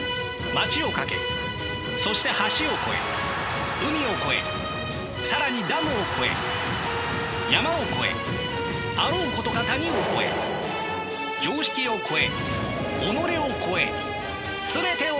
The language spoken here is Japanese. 街を駆けそして橋を越え海を越え更にダムを越え山を越えあろうことか谷を越え常識を越え己を越え全てを越えて。